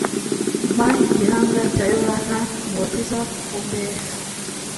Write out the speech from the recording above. mpa igihanga cya yohana umubatiza ku mbehe